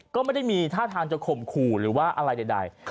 ก็ไม่ได้มีท่าทางจะข่มขู่หรือว่าอะไรใด